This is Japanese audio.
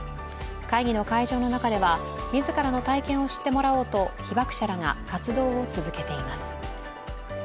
会議の会場の中では自らの体験を知ってもらおうと被爆者らが活動を続けています。